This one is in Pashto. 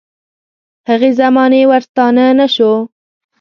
هغې زمانې ورستانه نه شو.